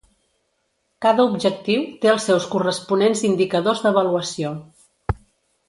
Cada objectiu té els seus corresponents indicadors d'avaluació.